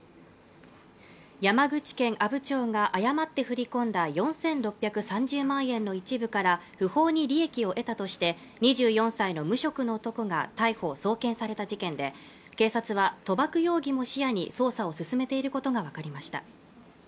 山口県阿武町が誤って振り込んだ４６３０万円の一部から不法に利益を得たとして２４歳の無職の男が逮捕送検された事件で警察は賭博容疑も視野に捜査を進めていることが分かりました